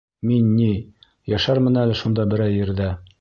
Мин ни... йәшәрмен әле шунда берәй ерҙә.